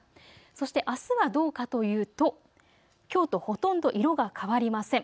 そしてあすはどうかというときょうとほとんど色が変わりません。